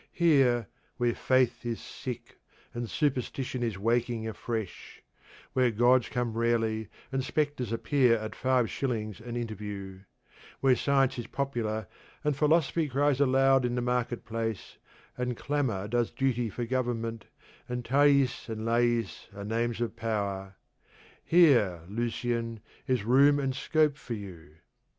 Here, where faith is sick and superstition is waking afresh; where gods come rarely, and spectres appear at five shillings an interview; where science is popular, and philosophy cries aloud in the market place, and clamour does duty for government, and Thais and Lais are names of power here, Lucian, is room and scope for you.